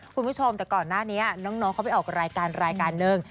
คุณผู้ชมแต่ก่อนหน้านี้น้องเขาไปออกรายการรายการหนึ่ง